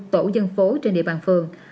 tổ dân phố trên địa bàn phường